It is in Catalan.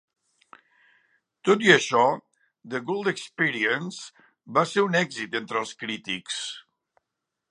Tot i això, "The Gold Experience" va ser un èxit entre els crítics.